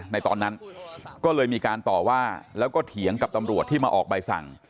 ในตอนนั้นก็เลยมีการต่อว่าแล้วก็เถียงกับตำรวจที่มาออกใบสั่ง